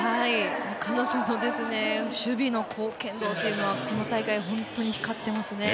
彼女の守備の貢献度というのは、この大会、本当に光ってますね。